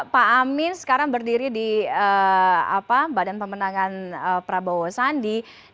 pak amin sekarang berdiri di badan pemenangan prabowo sandi